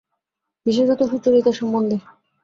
বিশেষত সুচরিতার সম্বন্ধে।